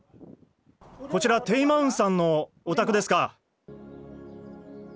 こちらテイ・マウンさんのおたくですか？